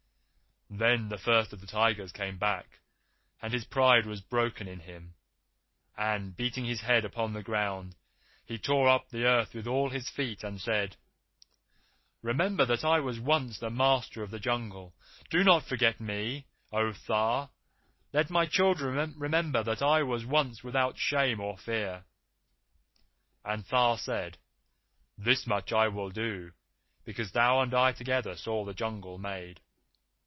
"Then the First of the Tigers came back, and his pride was broken in him, and, beating his head upon the ground, he tore up the earth with all his feet and said: 'Remember that I was once the Master of the Jungle. Do not forget me, O Tha! Let my children remember that I was once without shame or fear!' And Tha said: 'This much I will do, because thou and I together saw the Jungle made.